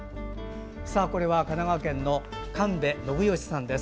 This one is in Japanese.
これは、神奈川県の神戸信義さんです。